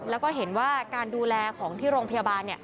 แล้วก็เห็นว่าการดูแลของที่โรงพยาบาล